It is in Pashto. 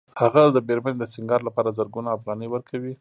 هغه د مېرمنې د سینګار لپاره زرګونه افغانۍ ورکوي